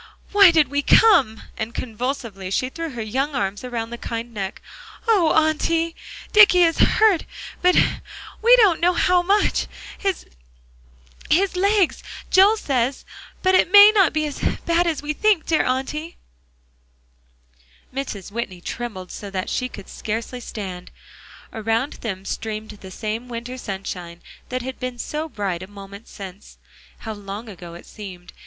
Why did we come!" And convulsively she threw her young arms around the kind neck. "Oh, Auntie! Dicky is hurt but we don't know how much his legs, Joel says, but it may not be as bad as we think; dear Auntie." Mrs. Whitney trembled so that she could scarcely stand. Around them streamed the same winter sunshine that had been so bright a moment since. How long ago it seemed.